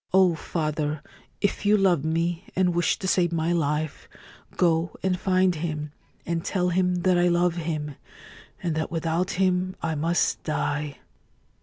Oh, father, if you love me and wish to save my life, go and find him and tell him that I love him, and that without him I must die